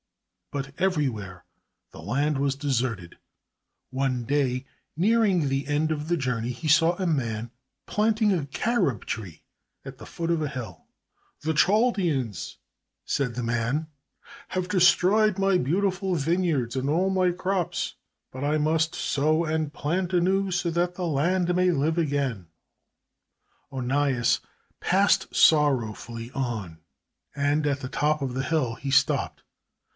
But everywhere the land was deserted. One day, nearing the end of the journey, he saw a man planting a carob tree at the foot of a hill. "The Chaldeans," said the man, "have destroyed my beautiful vineyards and all my crops, but I must sow and plant anew, so that the land may live again." [Illustration: The sun was shining on a noble city of pinnacles and minarets. (P. 191).] Onias passed sorrowfully on and at the top of the hill he stopped.